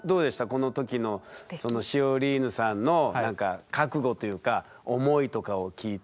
この時のそのシオリーヌさんの覚悟というか思いとかを聞いて。